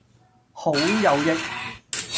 好有益